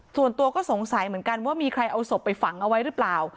ส่วนตัวก็สงสัยเหมือนกันว่ามีใครเอาศพไปฝังเอาไว้หรือเปล่า